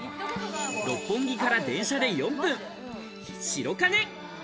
六本木から電車で４分、白金。